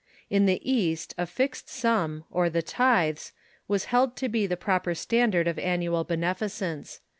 In the East a fixed sum, or the tithes, Avas held to be the proper standard of annual beneficence.